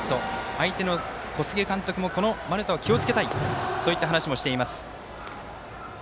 相手の小菅監督もこの丸田を気をつけたいそういった話もしています。